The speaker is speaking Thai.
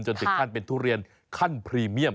จนถึงขั้นเป็นทุเรียนขั้นพรีเมียม